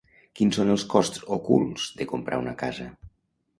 Quin són els costs ocults de comprar una casa?